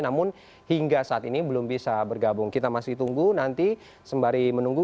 namun hingga saat ini belum bisa bergabung kita masih tunggu nanti sembari menunggu